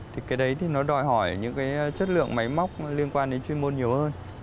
thì cái đấy thì nó đòi hỏi những cái chất lượng máy móc liên quan đến chuyên môn nhiều hơn